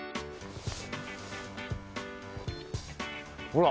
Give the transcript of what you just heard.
ほら！